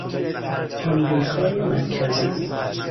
آمریکای مرکزی